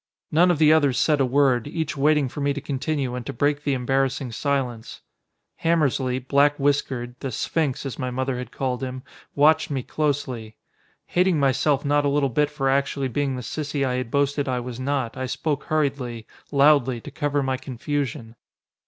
None of the others said a word, each waiting for me to continue and to break the embarrassing silence. Hammersly, black whiskered, the "sphinx" as my mother had called him, watched me closely. Hating myself not a little bit for actually being the sissy I had boasted I was not, I spoke hurriedly, loudly, to cover my confusion.